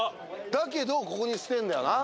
だけどここに捨てんだよな。